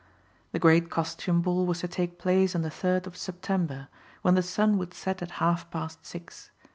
The great costume ball was to take place on the third of September, when the sun would set at half past six.